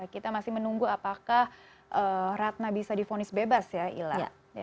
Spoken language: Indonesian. kita masih menunggu apakah ratna bisa difonis bebas ya ila